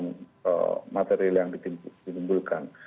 dan juga materi yang ditimbulkan